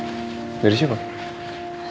setelah tadi kamu nangis